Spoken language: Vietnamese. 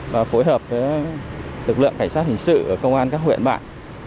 và phối hợp với lực lượng cảnh sát hình sự ở công an các huyện bạn